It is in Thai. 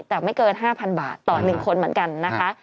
แต่ไม่เกิน๕๐๐๐บาทต่อ๑คนเหมือนกันนะคะ